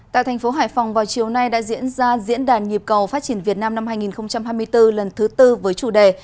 tại thành phố hải phòng vào chiều nay đã diễn ra diễn đàn nhịp cầu phát triển việt nam năm hai nghìn hai mươi bốn lần thứ tư với chủ đề